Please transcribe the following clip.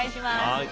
はい。